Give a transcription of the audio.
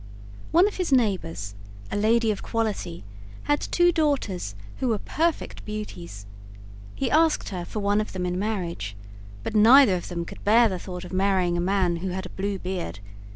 One of his neighbors, a lady of quality, had two daughters who were perfect beauties. He asked her for one of them in marriage, but neither of them could bear the thought of marrying a man who had a blue beard.